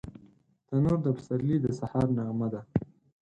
تنور د پسرلي د سهار نغمه ده